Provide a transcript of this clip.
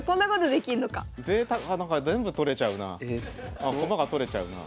あ馬が取れちゃうなあ。